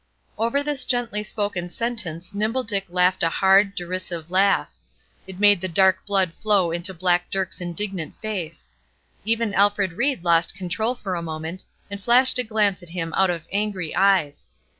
Over this gently spoken sentence Nimble Dick laughed a hard, derisive laugh. It made the dark blood flow into black Dirk's indignant face. Even Alfred Ried lost self control for a moment, and flashed a glance at him out of angry eyes.